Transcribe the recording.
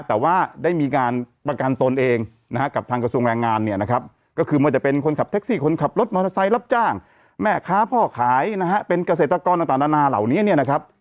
แต่ว่าได้มีการประกันตนเองนะฮะกับทางกระทรวงแรงงานเนี่ยนะครับก็คือว่าจะเป็นคนขับแท็กซี่คนขับรถมอเตอร์ไซค์รับจ้างแม่ค้าพ่อขายนะฮะเป็นเกษตรกรต่างนานาเหล่านี้เนี่ยนะครับ